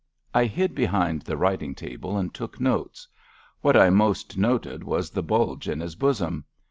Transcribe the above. I hid behind the writing table and took notes. What I most noted was the bulge in his bosom.